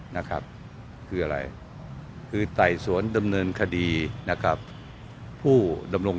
นะครับคืออะไรคือไต่สวนดำเนินคดีนะครับผู้ดำรง